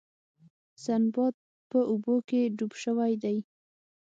سنباد په اوبو کې ډوب شوی دی.